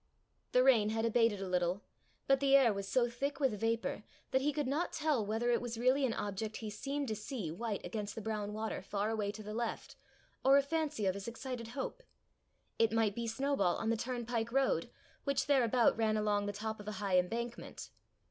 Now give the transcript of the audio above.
The rain had abated a little, but the air was so thick with vapour that he could not tell whether it was really an object he seemed to see white against the brown water, far away to the left, or a fancy of his excited hope: it might be Snowball on the turn pike road, which thereabout ran along the top of a high embankment.